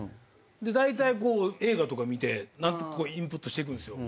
だいたい映画とか見てインプットしていくんですよ。